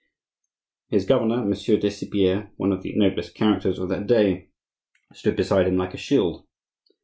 His governor, Monsieur de Cypierre, one of the noblest characters of that day, stood beside him like a shield.